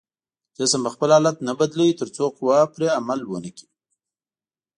جسم به خپل حالت نه بدلوي تر څو قوه پرې عمل ونه کړي.